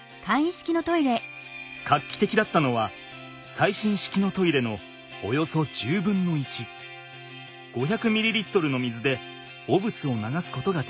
画期的だったのは最新式のトイレのおよそ１０分の１５００ｍｌの水で汚物を流すことができること。